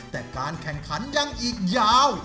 แต่การแข่งขันยังอีกยาว